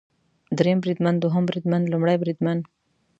دریم بریدمن، دوهم بریدمن ، لومړی بریدمن